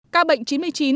các bệnh chín mươi chín